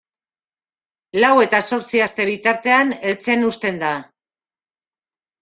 Lau eta zortzi aste bitartean heltzen uzten da.